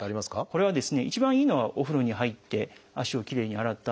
これは一番いいのはお風呂に入って足をきれいに洗ったあと。